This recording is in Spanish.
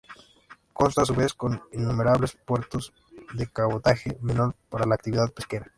Consta a su vez con innumerables puertos de cabotaje menor para la actividad pesquera.